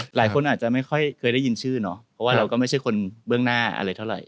หลายคนอาจจะไม่ค่อยเคยได้ยินชื่อเนอะเพราะว่าเราก็ไม่ใช่คนเบื้องหน้าอะไรเท่าไหร